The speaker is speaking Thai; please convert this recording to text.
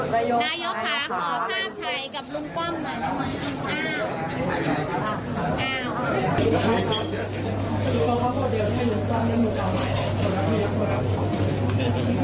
นายโยคค่ะขอภาพถ่ายกับลุงป้อมหน่อยนะครับ